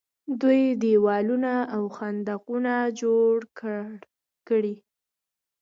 دوی دیوالونه او خندقونه جوړ کړي.